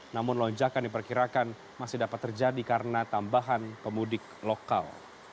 namun lonjakan diperkirakan masih dapat terjadi karena tambahan pemudik lokal